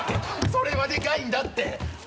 それはでかいんだって！